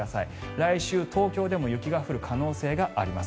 来週、東京でも雪が降る可能性があります。